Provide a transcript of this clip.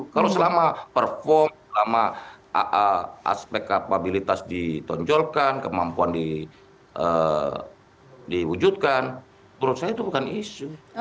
kalau selama perform selama aspek kapabilitas ditonjolkan kemampuan diwujudkan menurut saya itu bukan isu